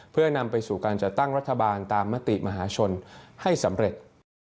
เพื่อนำไปสู่การจัดตั้งรัฐบาลตามมติมหาชนให้สำเร็จ